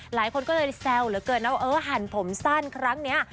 หลายคนก็เลยแซวเหลือเกินนะว่าเออหันผมสั้นครั้งนี้